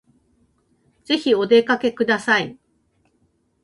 ぜひお出かけください